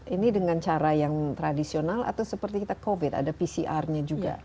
ini dengan cara yang tradisional atau seperti covid sembilan belas ada pcr nya juga